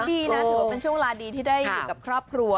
ดีนะถือว่าเป็นช่วงเวลาดีที่ได้อยู่กับครอบครัว